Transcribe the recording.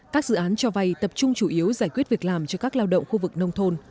các dự án cho vay tập trung chủ yếu giải quyết việc làm cho các lao động khu vực nông thôn